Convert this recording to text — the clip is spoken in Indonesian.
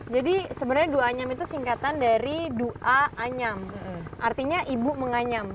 jadi sebenarnya duanyam itu singkatan dari dua anyam artinya ibu menganyam